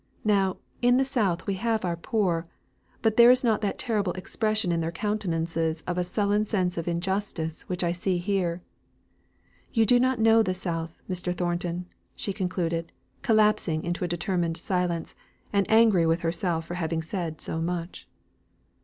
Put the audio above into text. Now, in the South we have our poor, but there is not that terrible expression in their countenances of a sullen sense of injustice which I see here. You do not know the South, Mr. Thornton," she concluded, collapsing into a determined silence, and angry with herself for having said so much.